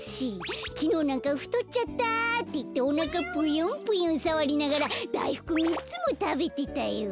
きのうなんか「ふとっちゃった」っていっておなかぷよんぷよんさわりながらだいふく３つもたべてたよ。